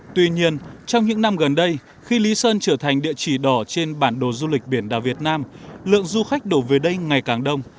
tuy nhiên trong những năm gần đây khi lý sơn trở thành địa chỉ đỏ trên bản đồ du lịch biển đảo việt nam lượng du khách đổ về đây ngày càng đông